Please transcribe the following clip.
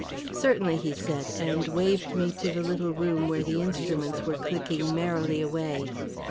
"Certainly," he said, and waved me to the little room where the instruments were clicking merrily away.